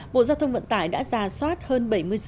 bộ giao thông vận tải đã giả soát hơn bảy mươi triệu đồng